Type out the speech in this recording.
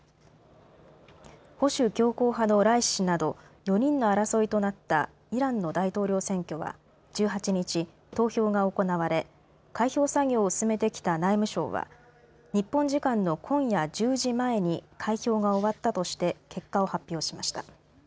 保守強硬派のライシ師など４人の争いとなったイランの大統領選挙は１８日、投票が行われ開票作業を進めてきた内務省は日本時間の今夜１０時前に開票が終わったとして結果を発表しました。